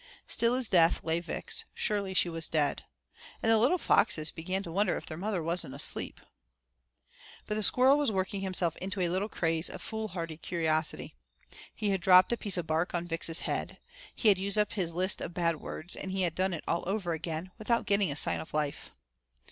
Still as death lay Vix, "surely she was dead." And the little foxes began to wonder if their mother wasn't asleep. But the squirrel was working himself into a little craze of foolhardy curiosity. He had dropped a piece of bark on Vix's head, he had used up his list of bad words and he had done it all over again, without getting a sign of life.